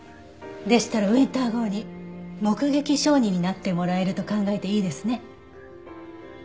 でしたらウィンター号に目撃証人になってもらえると考えていいですね。